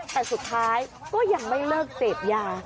แต่สุดท้ายก็ยังไม่เลิกเสพยา